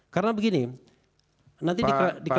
karena begini nanti diklarifikasi